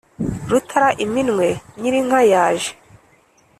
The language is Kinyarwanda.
rutara iminwe nyir’ inka yaje,